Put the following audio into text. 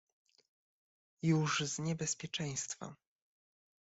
"już z niebezpieczeństwa."